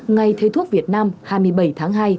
ngày thầy thuốc việt nam hai mươi bảy tháng hai